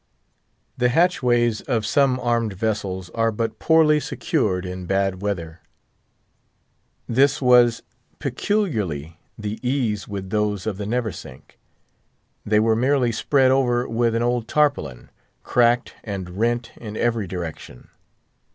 The hatchways of some armed vessels are but poorly secured in bad weather. This was peculiarly the ease with those of the Neversink. They were merely spread over with an old tarpaulin, cracked and rent in every direction.